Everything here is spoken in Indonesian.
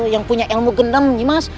yang punya ilmu gendam nimas